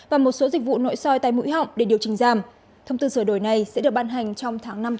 và một số dịch vụ nội soi tay mũi họng để điều chỉnh giam